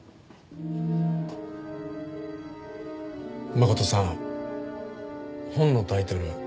真琴さん本のタイトル